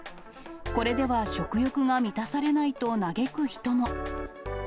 これでは食欲が満たされないと嘆く人も。